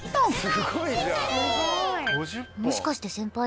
もしかして先輩